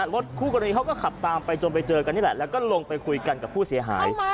รถคู่กรณีเขาก็ขับตามไปจนไปเจอกันนี่แหละแล้วก็ลงไปคุยกันกับผู้เสียหาย